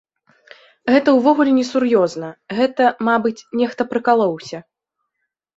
Гэта ўвогуле несур'ёзна, гэта, мабыць, нехта прыкалоўся.